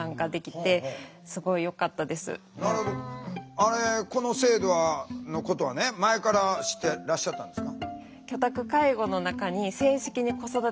あれこの制度のことはね前から知ってらっしゃったんですか？